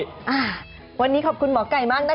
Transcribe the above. อ่าวันนี้ขอบคุณหมอไก่มากนะคะ